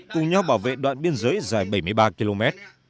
cùng nhau bảo vệ đoạn biên giới dài bảy mươi ba km